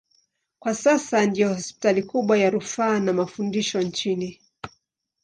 Kwa sasa ndiyo hospitali kubwa ya rufaa na mafundisho nchini.